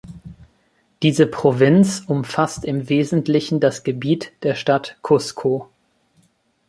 Diese Provinz umfasst im Wesentlichen das Gebiet der Stadt Cusco.